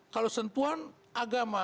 kalau sentuhan agama